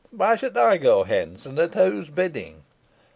Why should I go hence, and at whose bidding?"